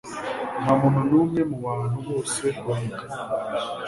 Ntamuntu numwe mubantu bose guhiga